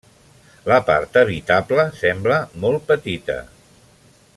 La part habitable sembla molt petita.